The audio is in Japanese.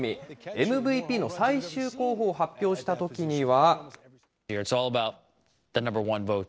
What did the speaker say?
ＭＶＰの最終候補を発表したときには。